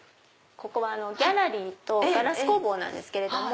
ここはギャラリーとガラス工房なんですけれども。